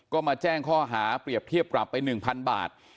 ก็มาแจ้งข้อหาเปรียบเทียบปรับไป๑๐๐บาท